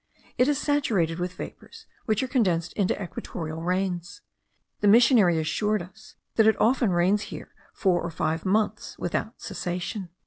It is saturated with vapours which are condensed into equatorial rains. The missionary assured us that it often rains here four or five months without cessation.